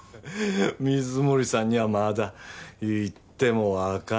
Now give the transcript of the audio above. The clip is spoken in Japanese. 水森さんにはまだ言ってもわかんない。